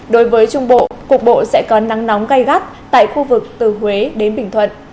đối với trung bộ cục bộ sẽ có nắng nóng gai gắt tại khu vực từ huế đến bình thuận